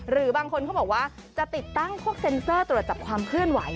หรือบางคนเขาบอกว่าจะติดตั้งพวกเซ็นเซอร์ตรวจจับความเคลื่อนไหว